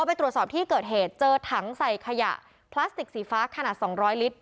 ไปตรวจสอบที่เกิดเหตุเจอถังใส่ขยะพลาสติกสีฟ้าขนาด๒๐๐ลิตร